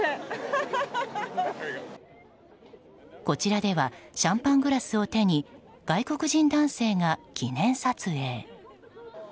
こちらではシャンパングラスを手に外国人男性が記念撮影。